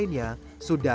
banyak teman juga